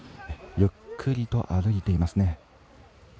ゆっくりと歩いていますね。